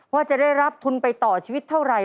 ว่าจะได้รับทุนไปต่อชีวิตเท่าไหร่